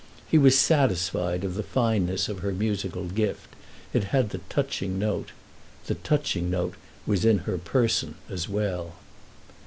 He was satisfied of the fineness of her musical gift—it had the touching note. The touching note was in her person as well.